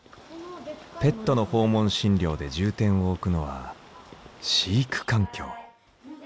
ペットの訪問診療で重点を置くのは飼育環境。